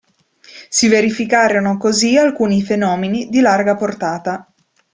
Si verificarono così alcuni fenomeni di larga portata.